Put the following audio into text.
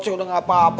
saya udah enggak apa apa